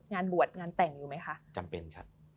งานบวชงานแต่งอยู่ไหมคะ